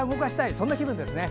そんな気分ですね。